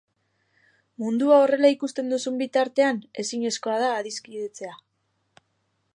Mundua horrela ikusten duzun bitartean, ezinezkoa da adiskidetzea.